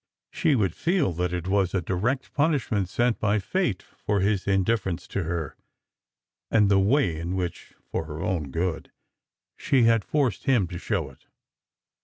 She would feel that it was a direct punishment sent by Fate for his indifference to her, and the way in which (for her own good) she had forced him to show it.